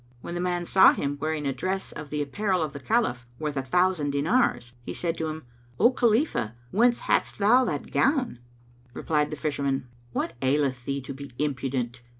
When the man saw him wearing a dress of the apparel of the Caliph, worth a thousand dinars, he said to him, "O Khalifah, whence hadst thou that gown?" Replied the Fisherman, "What aileth thee to be impudent?